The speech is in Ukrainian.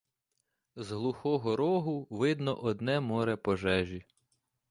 З глухого рогу видно одне море пожежі.